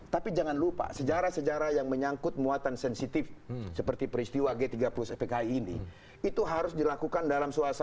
tapi bahwa di situ disebutkan pak hartto